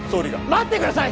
待ってください！